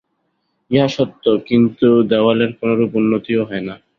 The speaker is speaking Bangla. ইহা সত্য, কিন্তু দেওয়ালের কোনরূপ উন্নতিও হয় না।